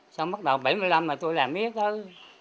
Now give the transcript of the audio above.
xong bắt đầu bảy mươi năm mà tôi làm biết đó